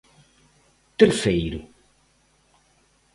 Terceiro.